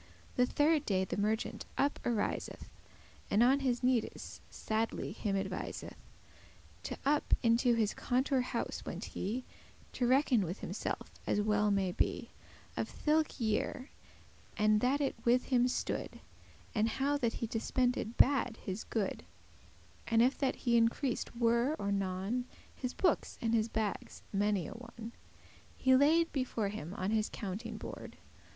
The thirde day the merchant up ariseth, And on his needeis sadly him adviseth; And up into his countour house* went he, *counting house <7> To reckon with himself as well may be, Of thilke* year, how that it with him stood, *that And how that he dispended bad his good, And if that he increased were or non. His bookes and his bagges many a one He laid before him on his counting board.